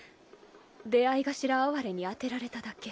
出会い頭あはれに当てられただけ。